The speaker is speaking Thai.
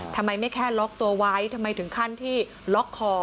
ทำไมไม่แค่ล็อกตัวไว้ทำไมถึงขั้นที่ล็อกคอ